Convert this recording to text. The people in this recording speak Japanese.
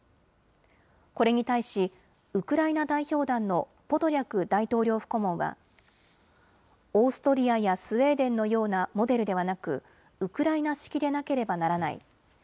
これに対し、ウクライナ代表団のポドリャク大統領府顧問はオーストリアやスウェーデンのようなモデルではなくウクライナ式でなければならない。